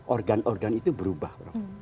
organ organ itu berubah